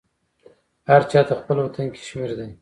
هر چا ته خپل وطن کشمیر دی